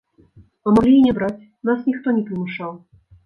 А маглі і не браць, нас ніхто не прымушаў.